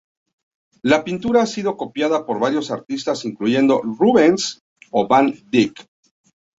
La pintura ha sido copiada por varios artistas incluyendo Rubens o van Dyck.